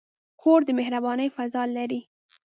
کور د مهربانۍ فضاء لري.